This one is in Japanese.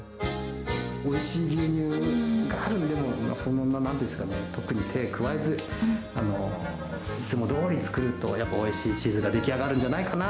おいしい牛乳があるので、そのまま、なんていうんですかね、特に手加えず、いつもどおり作ると、やっぱおいしいチーズが出来